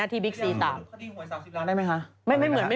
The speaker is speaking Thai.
เพราะว่าตอนนี้ก็ไม่มีใครไปข่มครูฆ่า